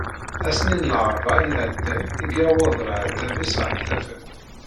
Ass-nni n larebɛa iɛeddan, i yewweḍ leɛtab-is ɣer tafat.